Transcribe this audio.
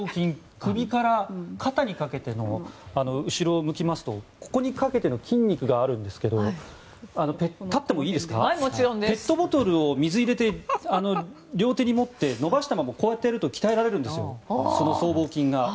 首から肩にかけての後ろを向きますとここにかけての筋肉があるんですがペットボトルに水を入れて両手に持って伸ばしたまま、肩を上げると鍛えられるんです、僧帽筋が。